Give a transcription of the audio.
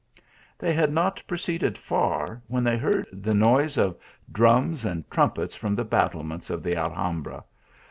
They had not proceeded far when they heard the noise of drums and trumpets from the battlements of the Alhambra.